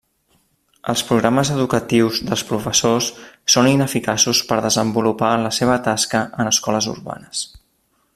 Els programes educatius dels professors són ineficaços per desenvolupar la seva tasca en escoles urbanes.